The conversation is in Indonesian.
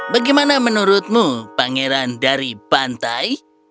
bagaimana menurutmu pangeran dari pantai